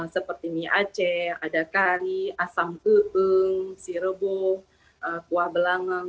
seperti mie aceh ada kari asam keung sirebo kuah belangeng